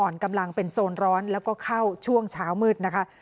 กำลังเป็นโซนร้อนแล้วก็เข้าช่วงเช้ามืดนะคะ